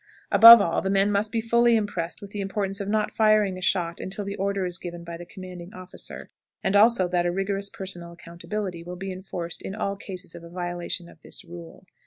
Above all, the men must be fully impressed with the importance of not firing a shot until the order is given by the commanding officer, and also that a rigorous personal accountability will be enforced in all cases of a violation of this rule.